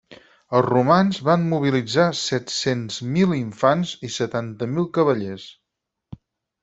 Els romans van mobilitzar set-cents mil infants i setanta mil cavallers.